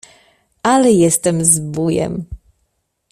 ale jestem zbójem.